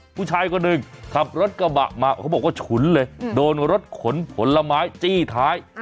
ผู้ชายคนหนึ่งขับรถกระบะมาเขาบอกว่าฉุนเลยโดนรถขนผลไม้จี้ท้าย